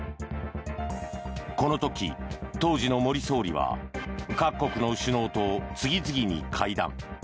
この時、当時の森総理は各国の首脳と次々に会談。